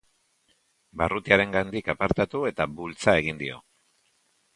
Barrutiarengandik apartatu eta bultza egin dio.